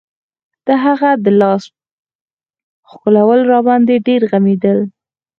د هغه د لاس ښکلول راباندې ډېر غمېدل.